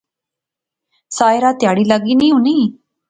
ساحرہ تہاڑی لاغی نی ہونی